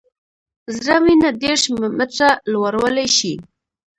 زړه وینه دېرش متره لوړولی شي.